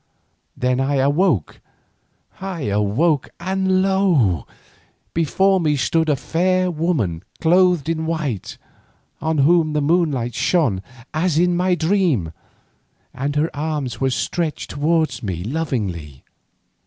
Then I awoke. I awoke and lo! before me stood a fair woman clothed in white, on whom the moonlight shone as in my dream, and her arms were stretched towards me lovingly.